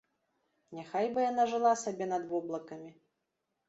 Няхай бы яна жыла сабе над воблакамі.